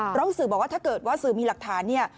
เพราะสื่อบอกว่าถ้าเกิดว่าสื่อมีหลักฐานเนี่ย